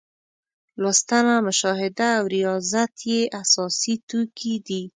لوستنه، مشاهده او ریاضت یې اساسي توکي دي.